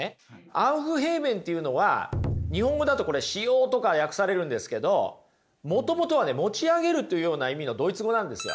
アウフヘーベンっていうのは日本語だとこれ「止揚」とか訳されるんですけどもともとは持ち上げるというような意味のドイツ語なんですよ。